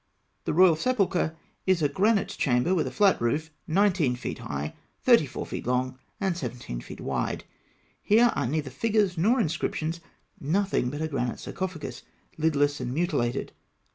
The royal sepulchre is a granite chamber with a flat roof, nineteen feet high, thirty four feet long, and seventeen feet wide. Here are neither figures nor inscriptions; nothing but a granite sarcophagus, lidless and mutilated.